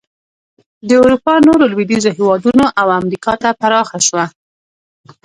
د اروپا نورو لوېدیځو هېوادونو او امریکا ته پراخه شوه.